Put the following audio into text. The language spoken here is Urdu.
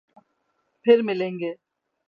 پھر ملیں گے